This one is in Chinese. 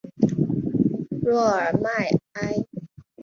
洛尔迈埃。